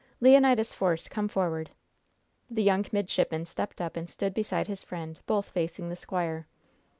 "Leonidas Force, come forward." The young midshipman stepped up and stood beside his friend, both facing the squire.